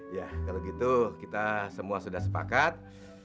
ya kalau gitu kita semua sudah sepakat